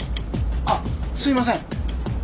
あっすいません。